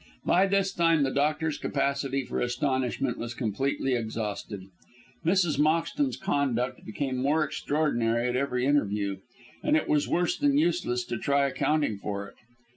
By this time the doctor's capacity for astonishment was completely exhausted. Mrs. Moxton's conduct became more extraordinary at every interview, and it was worse than useless trying to account for it.